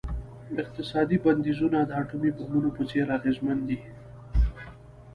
اقتصادي بندیزونه د اټومي بمونو په څیر اغیزمن دي.